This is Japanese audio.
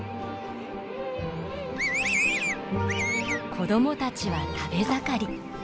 子供たちは食べ盛り。